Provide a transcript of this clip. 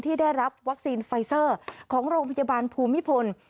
ได้รับวัคซีนไฟเซอร์ของโรงพยาบาลภูมิพล